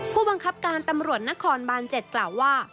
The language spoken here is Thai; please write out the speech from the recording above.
ผู้บังคับการตำรวจนครบาน๗กล่าวว่า